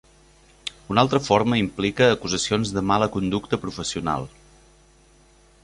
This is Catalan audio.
Una altra forma implica acusacions de mala conducta professional.